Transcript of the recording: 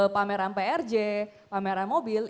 pameran prj pameran mobil